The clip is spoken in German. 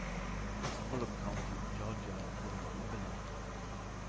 Das Bulloch County in Georgia wurde nach ihm benannt.